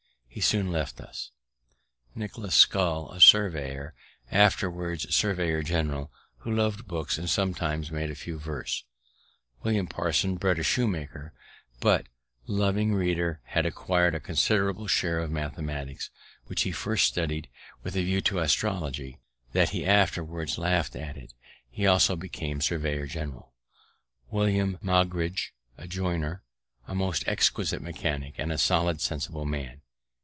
He soon left us. Nicholas Scull, a surveyor, afterwards surveyor general, who lov'd books, and sometimes made a few verses. William Parsons, bred a shoemaker, but, loving reading, had acquir'd a considerable share of mathematics, which he first studied with a view to astrology, that he afterwards laught at it. He also became surveyor general. William Maugridge, a joiner, a most exquisite mechanic, and a solid, sensible man.